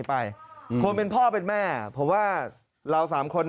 นี่ครูนี้เหรอแม่ครัวตก่ม